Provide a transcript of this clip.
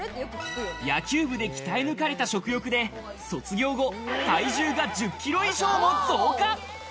野球部で鍛え抜かれた食欲で、卒業後、体重は１０キロ以上も増加。